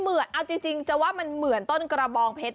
เอาจริงจะว่าเหมือนกระบองเผ็ด